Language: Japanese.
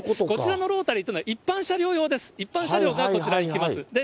こちらのロータリーというのは一般車両用です、一般車両がこちらに来ます。